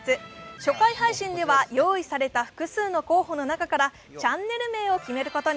初回配信では用意された複数の候補の中からチャンネル名を決めることに。